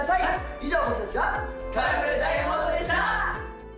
以上僕達はカラフルダイヤモンドでした！